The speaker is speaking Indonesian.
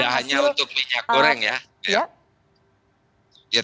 tidak hanya untuk minyak goreng ya